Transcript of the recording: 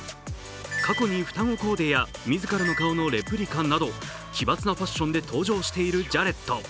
過去に双子コーデや自らの顔のレプリカなど、奇抜なファッションで登場した俳優、ジャレッド・レト。